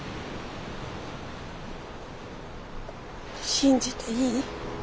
信じていい？